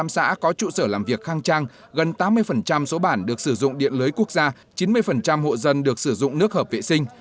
một trăm linh xã có trụ sở làm việc khang trang gần tám mươi số bản được sử dụng điện lưới quốc gia chín mươi hộ dân được sử dụng nước hợp vệ sinh